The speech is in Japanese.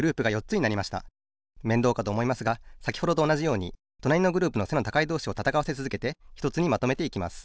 めんどうかとおもいますがさきほどとおなじようにとなりのグループの背の高いどうしをたたかわせつづけてひとつにまとめていきます。